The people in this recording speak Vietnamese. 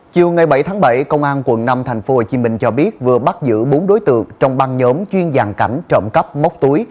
chiều bảy bảy công an quận năm tp hcm cho biết vừa bắt giữ bốn đối tượng trong băng nhóm chuyên giàn cảnh trộm cắp mốc túy